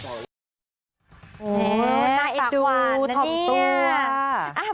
น่าเอ็นดูถ่อมตัว